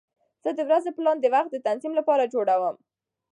زه د ورځې پلان د وخت د تنظیم لپاره جوړوم.